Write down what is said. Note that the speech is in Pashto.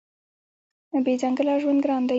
بې ځنګله ژوند ګران دی.